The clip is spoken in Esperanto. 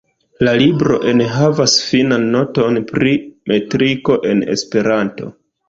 La libro enhavas finan noton pri metriko en Esperanto.